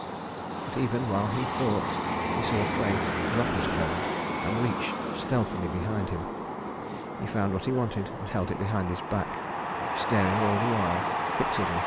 But even while he thought, he saw Frey drop his cone and reach stealthily behind him. He found what he wanted and held it behind his back, staring all the while fixedly in front.